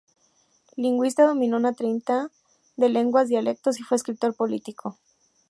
Lingüista, dominó una treintena de lenguas y dialectos y fue escritor prolífico.